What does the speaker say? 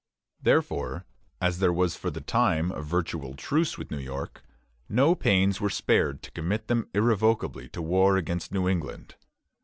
Therefore, as there was for the time a virtual truce with New York, no pains were spared to commit them irrevocably to war against New England.